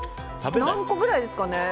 何個くらいですかね。